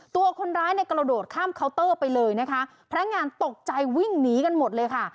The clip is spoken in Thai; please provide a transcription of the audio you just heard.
ตัวคนร้ายเนี่ยกระโดดข้ามเคาน์เตอร์ไปเลยนะคะพนักงานตกใจวิ่งหนีกันหมดเลยค่ะ